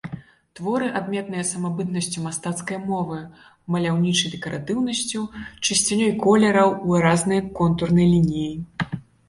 Творы адметныя самабытнасцю мастацкай мовы, маляўнічай дэкаратыўнасцю, чысцінёй колераў, выразнай контурнай лініяй.